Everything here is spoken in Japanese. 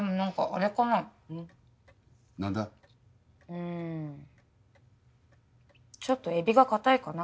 うんちょっとエビが硬いかな。